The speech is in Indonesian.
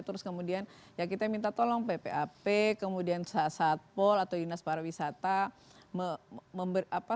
terus kemudian ya kita minta tolong ppapp kemudian satpol atau dinas para wisata memberikan apa